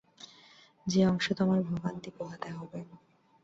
যে অংশে তোমার ভোগান্তি পোহাতে হবে।